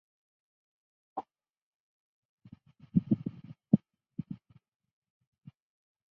番歆之弟番苗打算复仇。